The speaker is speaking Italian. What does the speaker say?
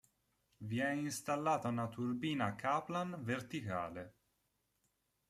Vi è installata una turbina Kaplan verticale.